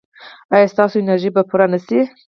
ایا ستاسو انرژي به پوره نه شي؟